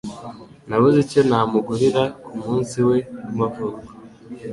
Nabuze icyo namugurira kumunsi we w'amavuko.